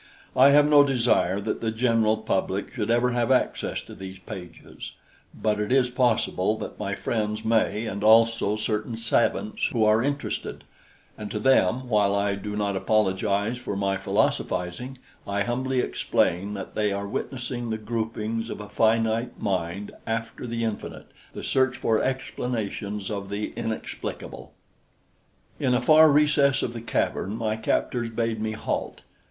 I have no desire that the general public should ever have access to these pages; but it is possible that my friends may, and also certain savants who are interested; and to them, while I do not apologize for my philosophizing, I humbly explain that they are witnessing the gropings of a finite mind after the infinite, the search for explanations of the inexplicable. In a far recess of the cavern my captors bade me halt.